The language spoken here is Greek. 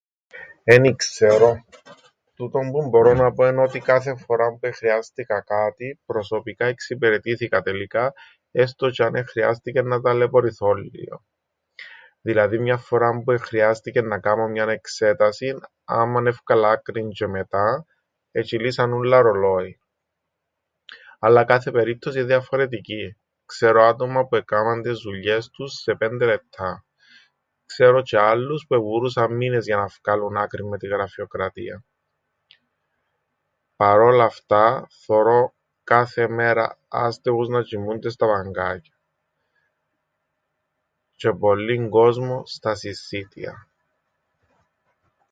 Εν ι-ξέρω. Τούτον που μπορώ να πω εν ότι κάθε φοράν που εχρειάστηκα κάτι, προσωπικά εξυπηρετήθηκα τελικά έστω τζ̆ι αν εχρειάστηκεν να ταλαιπωρηθώ λλίον. Δηλαδή μιαν φοράν που εχρειάστηκεν να κάμω μιαν εξέτασην, άμαν έφκαλα άκρην τζ̆αι μετά, ετζ̆υλήσαν ούλλα ρολόιν. Αλλά κάθε περίπτωση εν' διαφορετική. Ξέρω άτομα που εκάμαν τες δουλειές τους σε πέντε λεπτά. Ξέρω τζ̆αι άλλους που εβουρούσαν μήνες για να φκάλουν άκρην με την γραφειοκρατίαν. Παρ' όλα αυτά θωρώ κάθε μέρα άστεγους να τζ̆οιμούνται στα παγκάκια... τζ̆αι πολλύν κόσμον στα συσσίτια.